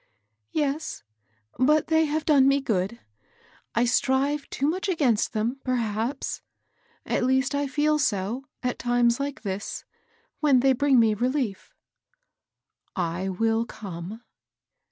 " Yes ; but they have done me good. I strive too much against them, perhaps ; at least, I feel so, at times like this, when they bring me relief." " I will come."